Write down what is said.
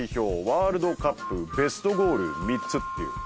ワールドカップベストゴール３つっていう。